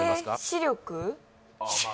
「視力」